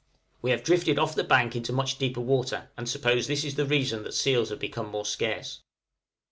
We have drifted off the bank into much deeper water, and suppose this is the reason that seals have become more scarce.